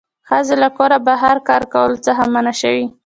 ښځې له کوره بهر کار کولو څخه منع شوې